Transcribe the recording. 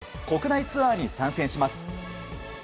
初めて国内ツアーに参戦します。